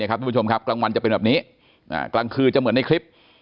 กลางวันจะเป็นแบบนี้กลางคืนจะเหมือนในคลิป